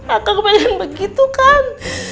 akankah pengen begitu kan